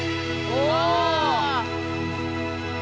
お！